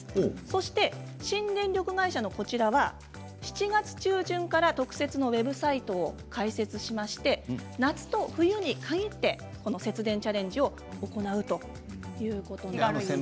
そして新電力会社の東京ガスは７月中旬から特設ウェブサイトを開設し夏と冬に限って節電チャレンジを行うということです。